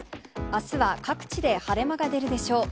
あすは各地で晴れ間が出るでしょう。